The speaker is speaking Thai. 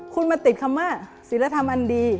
คุณมาติดคำว่าศิลธรรมอันดี